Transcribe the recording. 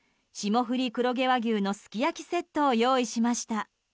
霜降り黒毛和牛のすき焼きセットを用意しました。